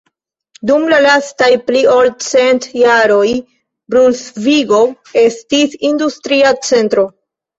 Dum la lastaj pli ol cent jaroj Brunsvigo estis industria centro.